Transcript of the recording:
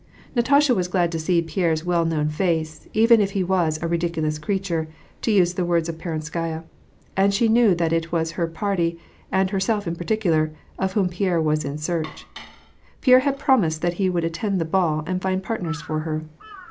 Natasha was glad to see Pierre's well known face, even if he was " a ridicidous creature," to use the words of Peronskaya ; and she knew that it was her party, and herself in particular, of whom Pierre was in search. Pierre had promised that he would attend the ball and find partners for her.